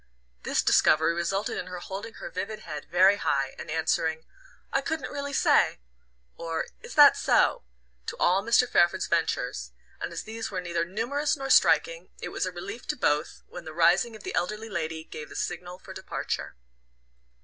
This discovery resulted in her holding her vivid head very high, and answering "I couldn't really say," or "Is that so?" to all Mr. Fairford's ventures; and as these were neither numerous nor striking it was a relief to both when the rising of the elderly lady gave the signal for departure.